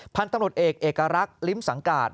พันธุ์ตำรวจเอกเอกรักษ์ลิ้มสังกาศ